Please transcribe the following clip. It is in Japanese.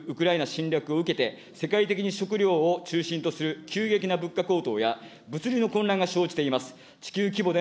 本年２月のロシアによるウクライナ侵略を受けて、世界的に食料を中心とする急激な物価高騰や、物流の混乱が生じています。